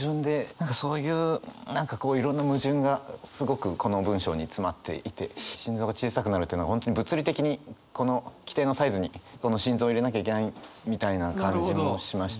何かそういう何かこういろんな矛盾がすごくこの文章に詰まっていて「心臓が小さくなる」という本当に物理的にこの規定のサイズにこの心臓を入れなきゃいけないみたいな感じもしましたね。